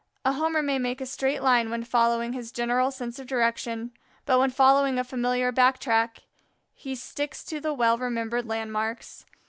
A Homer may make a straight line when following his general sense of direction, but when following a familiar back track he sticks to the well remembered landmarks.